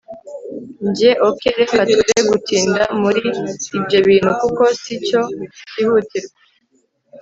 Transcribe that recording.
Njye ok reka twere gutinda muri ibyo bintu kuko sicyo cyihutirwa